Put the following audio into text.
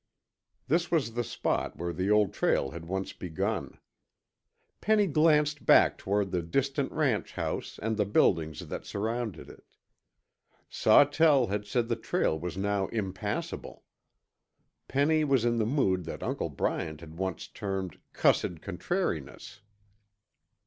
This was the spot where the old trail had once begun. Penny glanced back toward the distant ranch house and the buildings that surrounded it. Sawtell had said the trail was now impassable. Penny was in the mood that Uncle Bryant had once termed "cussed contrariness."